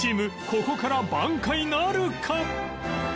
ここから挽回なるか？